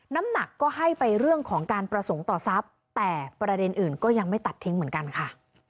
น้ำหนักก็ให้ไปเรื่องของการประสงค์ต่อทรัพย์แต่ประเด็นอื่นก็ยังไม่ตัดทิ้งเหมือนกันค่ะ